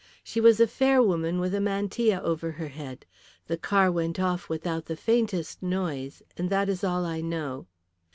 She was a fair woman with a mantilla over her head. The car went off without the faintest noise, and that is all I know."